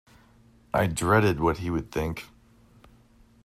I dreaded what he would think.